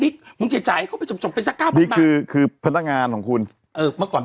คือพนักงานของคุณ